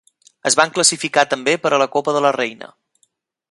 Es van classificar també per a la Copa de la Reina.